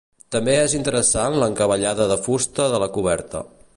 També és interessant l'encavallada de fusta de la coberta.